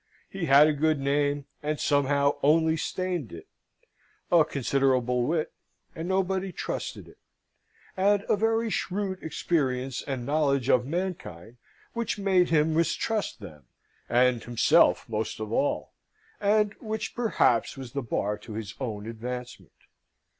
He had a good name, and somehow only stained it; a considerable wit, and nobody trusted it; and a very shrewd experience and knowledge of mankind, which made him mistrust them, and himself most of all, and which perhaps was the bar to his own advancement.